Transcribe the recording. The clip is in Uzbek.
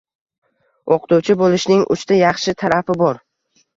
O'qituvchi bo'lishning uchta yaxshi tarafi bor